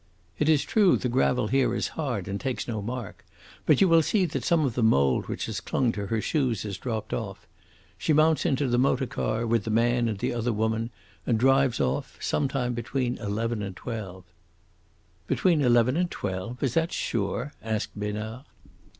It is true the gravel here is hard and takes no mark, but you will see that some of the mould which has clung to her shoes has dropped off. She mounts into the motor car with the man and the other woman and drives off some time between eleven and twelve." "Between eleven and twelve? Is that sure?" asked Besnard.